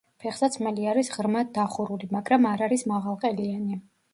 ფეხსაცმელი არის ღრმად დახურული, მაგრამ არ არის მაღალყელიანი.